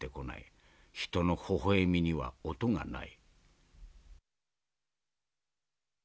人のほほ笑みには音がない」。